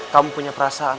kamu punya perasaan